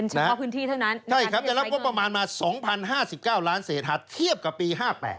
ใช่จะรับประมาณมา๒๐๕๙ล้านเศษหัสเทียบกับปี๕๘